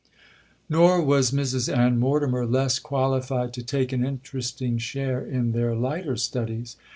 'Nor was Mrs Ann Mortimer less qualified to take an interesting share in their lighter studies.